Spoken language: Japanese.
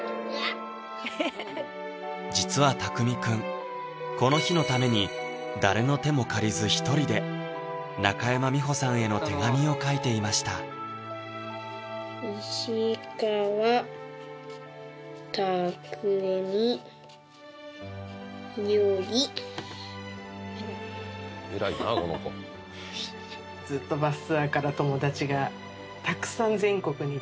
実はタクミくんこの日のために誰の手も借りず一人で中山美穂さんへの手紙を書いていました「石川たくみより」偉いなこの子っていうのはそれにえっ？